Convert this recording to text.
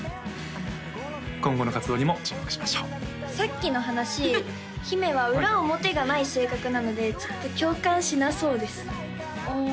今後の活動にも注目しましょうさっきの話姫は裏表がない性格なのでちょっと共感しなそうです